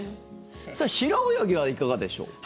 さあ、平泳ぎはいかがでしょう？